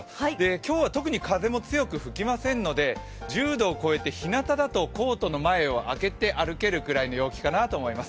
今日は特に風も強く吹きませんので１０度を超えて、ひなただとコートの前を開けて歩けるぐらいの陽気かなと思います。